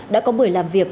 đã có buổi làm việc